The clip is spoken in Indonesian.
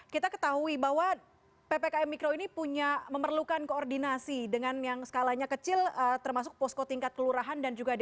kita ketahui bahwa ppkm mikro ini punya memerlukan koordinasi dengan yang skalanya kecil termasuk posko tingkat kelurahan dan juga desa